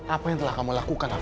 apa yang telah kamu lakukan apa